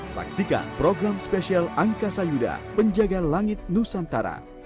saksikan program spesial angkasa yuda penjaga langit nusantara